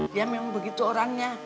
dia memang begitu orangnya